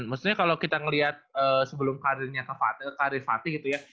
maksudnya kalau kita ngeliat sebelum karirnya ke fatih karir fatih gitu ya